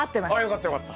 よかったよかった。